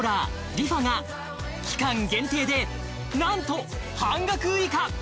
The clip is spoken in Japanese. ＲｅＦａが期間限定で何と半額以下！